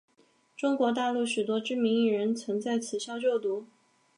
中国大陆许多知名艺人曾在此校就读。